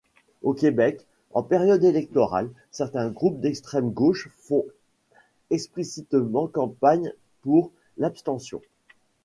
Au Québec, en période électorale, certains groupes d'extrême-gauche font explicitement campagne pour l'abstention.